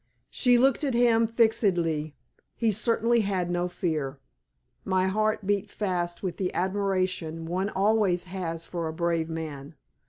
She looked at him fixedly. He certainly had no fear. My heart beat fast with the admiration one has always for a brave man.